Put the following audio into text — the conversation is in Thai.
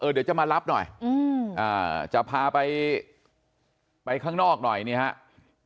เดี๋ยวจะมารับหน่อยจะพาไปข้างนอกหน่อยนี่ครับ